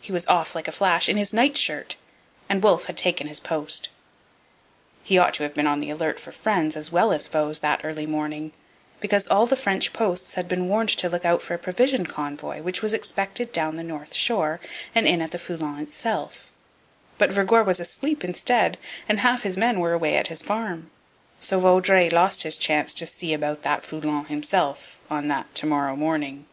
He was off, like a flash, in his nightshirt, and Wolfe had taken his post. He ought to have been on the alert for friends as well as foes that early morning, because all the French posts had been warned to look out for a provision convoy which was expected down the north shore and in at the Foulon itself. But Vergor was asleep instead, and half his men were away at his farm. So Vaudreuil lost his chance to 'see about that Foulon himself' on that 'to morrow morning.'